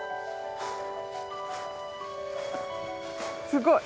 すごい。